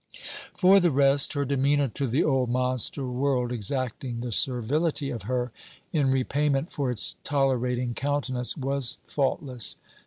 For the rest, her demeanour to the old monster world exacting the servility of her, in repayment for its tolerating countenance, was faultless.